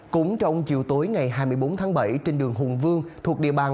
cũng trong chiều tối ngày hai mươi bốn tháng bảy trên đường hùng vương thuộc địa bàn